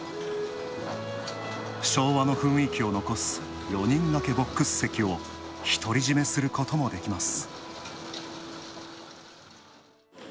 昭和の雰囲気を残す、４人がけボックス席を独り占めすることもできます。